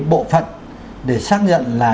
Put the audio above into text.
bộ phận để xác nhận là